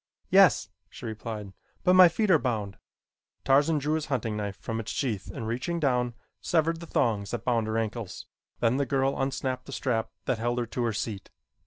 "Yes," she replied, "but my feet are bound." Tarzan drew his hunting knife from its sheath and reaching down, severed the thongs that bound her ankles. Then the girl unsnapped the strap that held her to her seat.